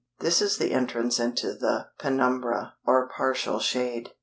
This is the entrance into the "penumbra" (or "Partial shade").